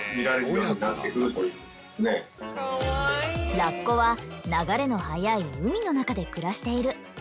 ラッコは流れの早い海の中で暮らしている。